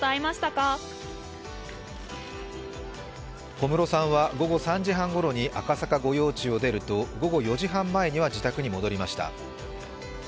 小室さんは午後３時ごろに赤坂御用地を出ると、午後４時半前には自宅に戻りました。